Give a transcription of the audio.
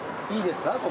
いいですか？